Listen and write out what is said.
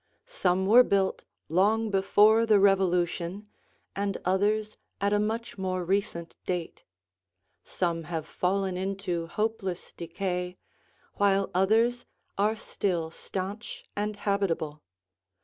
Some were built long before the Revolution and others at a much more recent date. Some have fallen into hopeless decay, while others are still stanch and habitable.